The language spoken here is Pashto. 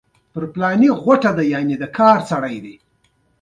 تورن یو ځلي پادري او بیا ما ته وکتل.